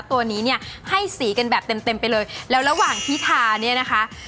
แต่ว่าตัวนี้ให้สีกันแบบเต็มไปเลยแล้วระหว่างที่ทานี่นะคะ